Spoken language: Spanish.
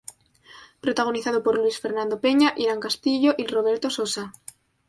Protagonizada por Luis Fernando Peña, Irán Castillo y Roberto Sosa.